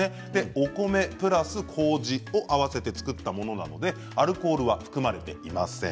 お米プラスこうじを合わせて造ったものなのでアルコールが含まれていません。